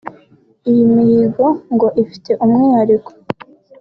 Iyi mihigo ngo ifite umwihariko